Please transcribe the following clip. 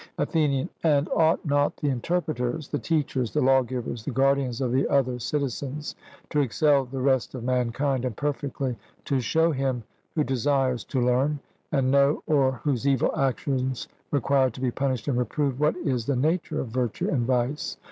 ATHENIAN: And ought not the interpreters, the teachers, the lawgivers, the guardians of the other citizens, to excel the rest of mankind, and perfectly to show him who desires to learn and know or whose evil actions require to be punished and reproved, what is the nature of virtue and vice?